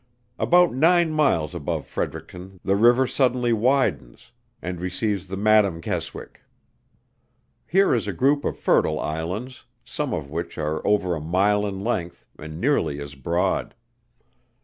About nine miles above Fredericton the river suddenly widens and receives the Madam Keswick. Here is a group of fertile islands, some of which are over a mile in length, and nearly as broad.